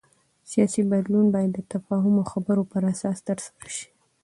سیاسي بدلون باید د تفاهم او خبرو پر اساس ترسره شي